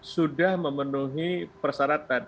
sudah memenuhi persyaratan